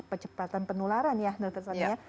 kecepatan penularan ya dr soni ya